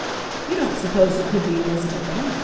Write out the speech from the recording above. You don't suppose it could be Elizabeth Ann?